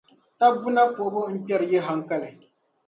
Taba buna fuhibu n-kpɛri yi haŋkali.